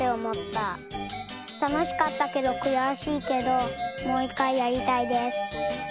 たのしかったけどくやしいけどもういっかいやりたいです。